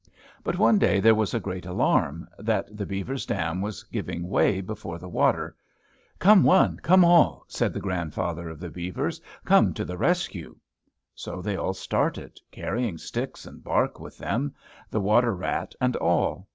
But one day there was a great alarm, that the beavers' dam was giving way before the water. "Come one, come all," said the grandfather of the beavers, "come to the rescue." So they all started, carrying sticks and bark with them, the water rat and all.